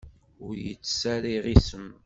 Ur yettess ara iɣisem.